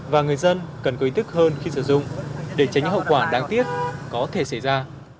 và người dân cần có ý thức hơn khi sử dụng để tránh những hậu quả đáng tiếc có thể xảy ra